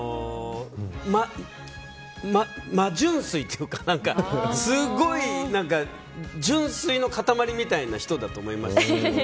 真純粋というかすごい純粋の固まりみたいな人だと思います。